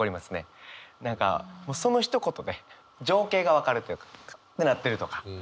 何かそのひと言で情景が分かるというか。ってなってるとか。